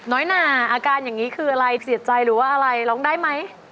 หนาอาการอย่างนี้คืออะไรเสียใจหรือว่าอะไรร้องได้ไหม